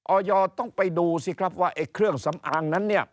อยต้องไปดูสิครับว่าไอ้เครื่องสำอางนั้นเนี่ย